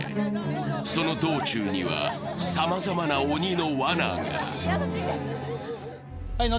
その道中には、さまざまな鬼のわなが。